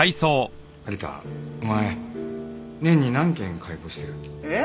有田お前年に何件解剖してる？ええ？